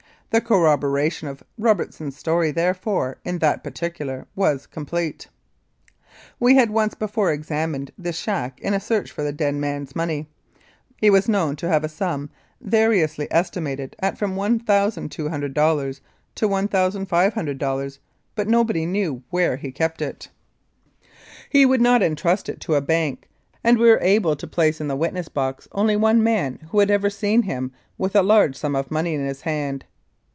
The corrobora tion of Robertson's story, therefore, in that particular was complete. We had once before examined this shack in a search for the dead man's money. He was known to have a sum variously estimated at from $1,200 to $1,500, but nobody knew where he kept it. 245 Mounted Police Life in Canada He would not entrust it to a bank, and we were able to place in the witness box only one man who had ever seen him with a large sum of money in his hand.